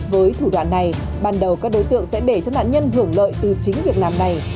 với thủ đoạn này ban đầu các đối tượng sẽ để cho nạn nhân hưởng lợi từ chính việc làm này